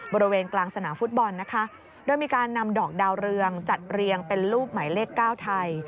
บริเวณกลางสนามฟุตบอลนะคะโดยมีการนำดอกดาวเรืองจัดเรียงเป็นรูปหมายเลข๙ไทย